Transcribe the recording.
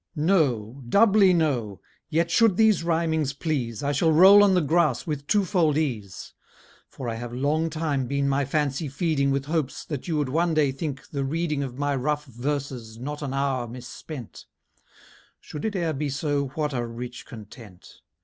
No, doubly no; yet should these rhymings please, I shall roll on the grass with two fold ease: For I have long time been my fancy feeding With hopes that you would one day think the reading Of my rough verses not an hour misspent; Should it e'er be so, what a rich content!